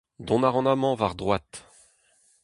Dont a ran amañ war droad.